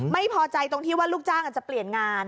ไม่พอใจตรงที่ว่าลูกจ้างอาจจะเปลี่ยนงาน